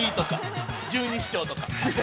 十二指腸とか。